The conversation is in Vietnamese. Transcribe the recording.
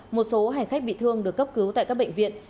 một số hành khách bị thương được cấp cứu tại các bệnh viện